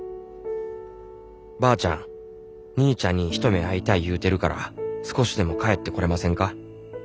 ばあちゃん兄ちゃんに一目会いたい言うてるから少しでも帰ってこれませんか？